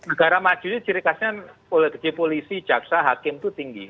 negara maju itu ciri khasnya oleh polisi jaksa hakim itu tinggi